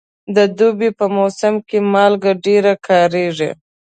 د دوبي په موسم کې مالګه ډېره کارېږي.